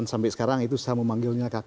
sampai sekarang itu saya memanggilnya kakak